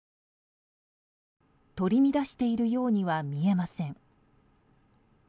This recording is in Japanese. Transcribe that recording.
取り乱しているようには見えません。